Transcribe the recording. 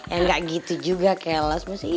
ya gak gitu juga kelas masih